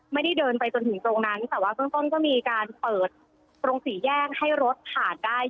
ไม่ได้เดินไปจนถึงตรงนั้นแต่ว่าเบื้องต้นก็มีการเปิดตรงสี่แยกให้รถผ่านได้